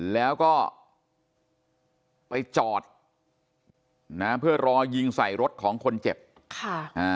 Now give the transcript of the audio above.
แล้วก็ไปจอดนะเพื่อรอยิงใส่รถของคนเจ็บค่ะอ่า